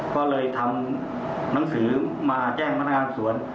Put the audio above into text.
ก็เลยทำหนังสือมาแจ้งพนักงานสวน